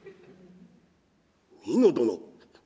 「美濃殿」。